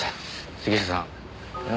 杉下さん。